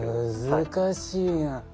難しいな。